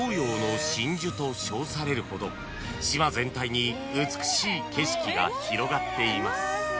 ［と称されるほど島全体に美しい景色が広がっています］